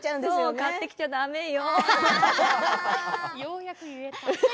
買ってきちゃだめよ。